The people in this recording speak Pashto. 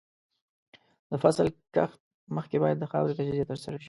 د فصل کښت مخکې باید د خاورې تجزیه ترسره شي.